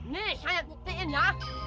nih saya buktiin ya